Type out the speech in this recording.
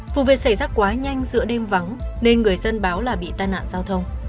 vụ việc xảy ra quá nhanh giữa đêm vắng nên người dân báo là bị tai nạn giao thông